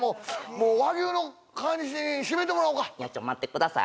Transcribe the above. もう和牛の川西に締めてもらおうかいやちょ待ってください